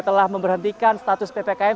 telah memberhentikan status ppkm